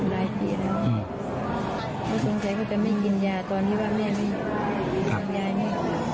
แล้วสงสัยเขาจะไม่กินยาตอนที่ว่าแม่ไม่ทำยายแม่